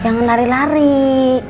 jangan lari lari ya